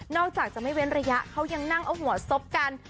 อกจากจะไม่เว้นระยะเขายังนั่งเอาหัวซบกัน